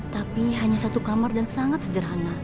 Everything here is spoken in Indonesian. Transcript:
tapi hanya satu kamar dan sangat sederhana